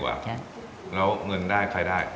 แล้วเงินได้ใครได้